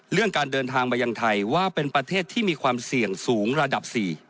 เรื่องการเดินทางมายังไทยว่าเป็นประเทศที่มีความเสี่ยงสูงระดับ๔